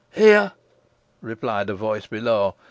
"Here," replied a voice below.